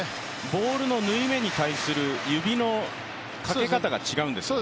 ボールの縫い目に対する指のかけ方が違うんですね？